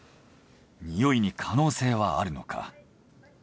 においに可能性はあるのか？